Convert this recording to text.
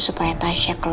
supaya tasya keluar